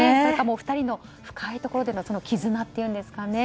お二人の深いところでの絆っていうんですかね